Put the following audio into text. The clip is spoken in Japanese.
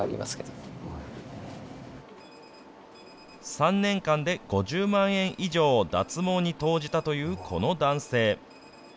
３年間で５０万円以上を脱毛に投じたというこの男性。